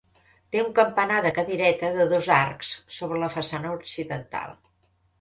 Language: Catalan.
Té un campanar de cadireta de dos arcs sobre la façana occidental.